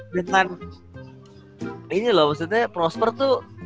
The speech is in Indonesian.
dengan ini loh maksudnya prosper tuh